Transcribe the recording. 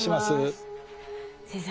先生